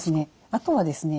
あとはですね